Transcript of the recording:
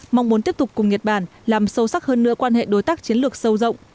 mong muốn tiếp tục cùng nhật bản làm sâu sắc hơn nữa quan hệ đối tác chiến lược sâu rộng